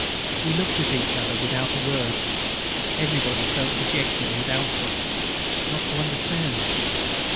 We looked at each other, without a word. Everybody felt dejected and doubtful. Not to understand!...